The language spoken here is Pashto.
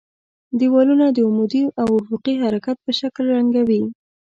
دېوالونه د عمودي او افقي حرکت په شکل رنګوي.